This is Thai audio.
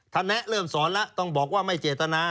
แนะเริ่มสอนแล้วต้องบอกว่าไม่เจตนา